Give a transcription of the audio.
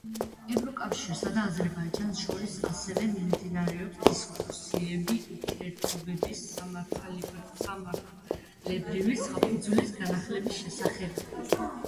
ევროკავშირსა და აზერბაიჯანს შორის ასევე მიმდინარეობს დისკუსიები ურთიერთობების სამართლებრივი საფუძვლის განახლების შესახებ.